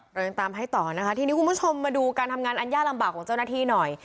เรายังตามให้ต่อนะคะทีนี้คุณผู้ชมมาดูการทำงานอันยากลำบากของเจ้าหน้าที่หน่อย